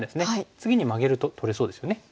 次にマゲると取れそうですよね。